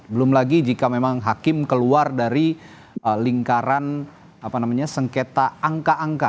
belum lagi jika memang hakim keluar dari lingkaran sengketa angka angka